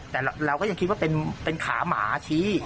แต่เราก็ยังคิดว่าเป็นขาหมาชี้